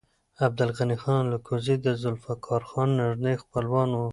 عبدالغني خان الکوزی د ذوالفقار خان نږدې خپلوان و.